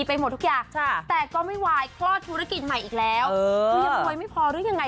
ไปหมดทุกอย่างแต่ก็ไม่วายคลอดธุรกิจใหม่อีกแล้วคือยังรวยไม่พอหรือยังไง